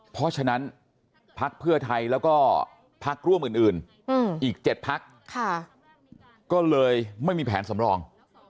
เพราะฉะนั้นพักเพื่อไทยแล้วก็พักร่วมอื่นอีก๗พักก็เลยไม่มีแผนสำรอง